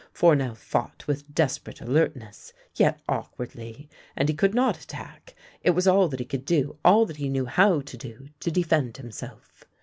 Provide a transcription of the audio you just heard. Fournel fought with desperate alertness, yet awkwardly, and he could not attack ; it was all that he could do, all that he knew how to do, to defend himself.